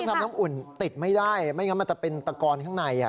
ทำน้ำอุ่นติดไม่ได้ไม่งั้นมันจะเป็นตะกอนข้างใน